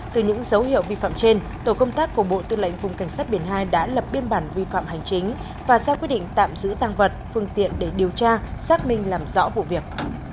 từ những dấu hiệu vi phạm trên tổ công tác của bộ tư lệnh vùng cảnh sát biển hai đã lập biên bản vi phạm hành chính và ra quyết định tạm giữ tăng vật phương tiện để điều tra xác minh làm rõ vụ việc